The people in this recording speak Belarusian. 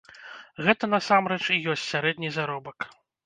Гэта, насамрэч, і ёсць сярэдні заробак.